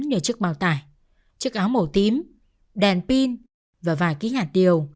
như chiếc bào tải chiếc áo màu tím đèn pin và vài ký hạt điều